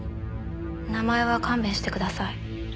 名前は勘弁してください。